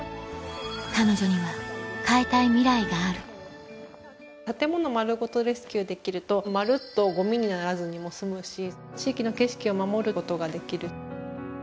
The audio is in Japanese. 彼女には変えたいミライがある建物丸ごとレスキューできるとまるっとゴミにならずにも済むし地域の景色を守ることができる。